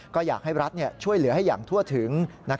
ก็อยากให้รัฐช่วยเหลือให้อย่างทั่วถึง